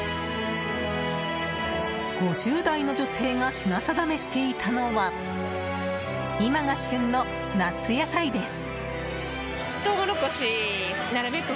５０代の女性が品定めしていたのは今が旬の夏野菜です。